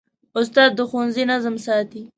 استاد د ښوونځي نظم ساتي.